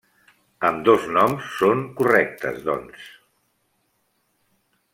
Ambdós noms són correctes, doncs.